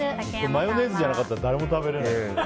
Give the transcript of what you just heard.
マヨネーズじゃなかったら誰も食べられない。